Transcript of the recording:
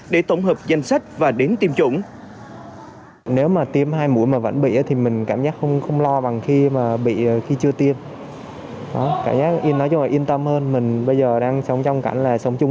để tổng hợp danh sách và đến tiêm chủng